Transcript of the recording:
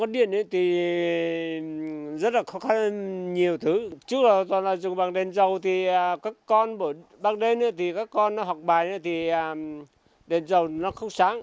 đèn dầu nó không sáng